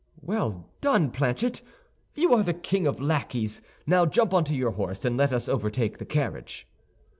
"Well done, Planchet! you are the king of lackeys. Now jump onto your horse, and let us overtake the carriage."